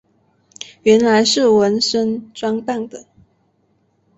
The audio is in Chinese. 原来是文森装扮的。